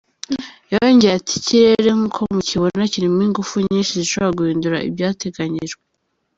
Yongeye ati “Ikirere nk’uko mukibona, kirimo ingufu nyinshi zishobora guhindura ibyateganyijwe.